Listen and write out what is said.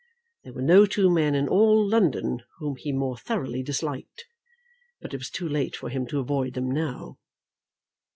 There were no two men in all London whom he more thoroughly disliked; but it was too late for him to avoid them now.